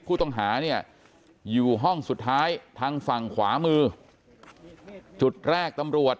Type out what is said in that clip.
ผู้ต้องหาเนี่ยอยู่ห้องสุดท้ายทางฝั่งขวามือจุดแรกตำรวจ